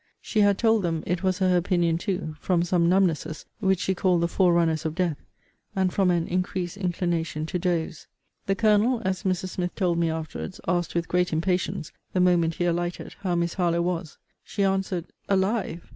She had told them, it was her opinion too, from some numbnesses, which she called the forerunners of death, and from an increased inclination to doze. The Colonel, as Mrs. Smith told me afterwards, asked with great impatience, the moment he alighted, how Miss Harlowe was? She answered Alive!